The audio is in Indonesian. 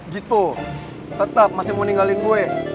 jito tetap masih mau ninggalin gue